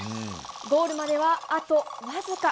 ゴールまではあと僅か。